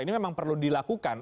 ini memang perlu dilakukan